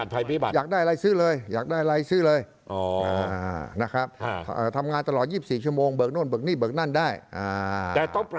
ภัยพิบัตร